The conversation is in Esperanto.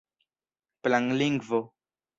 planlingvo